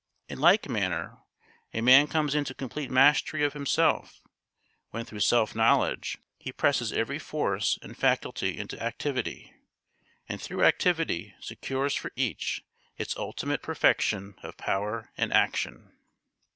In like manner a man comes into complete mastery of himself when through self knowledge he presses every force and faculty into activity, and through activity secures for each its ultimate perfection of power and action.